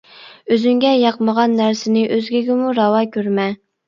ئۆزۈڭگە ياقمىغان نەرسىنى ئۆزگىگىمۇ راۋا كۆرمە.